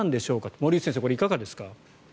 森内先生、これはいかがですか？